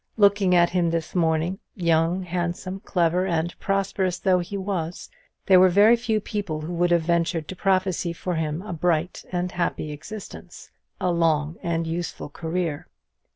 Looking at him this morning, young, handsome, clever, and prosperous though he was, there were very few people who would have ventured to prophesy for him a bright and happy existence, a long and useful career.